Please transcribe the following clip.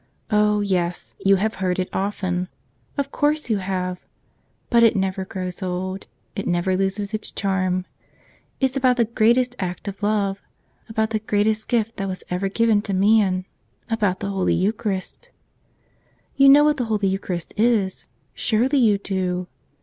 Oh, yes; you have heard it often. Of course you have! But it never grows old; it never loses its charm. It's about the greatest act of love, about the greatest gift that was ever given to man, about the Holy Eucharist. You know what the Holy Eucharist is. Surely you do